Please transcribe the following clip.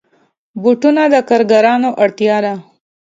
بوټونه د کارګرانو اړتیا ده.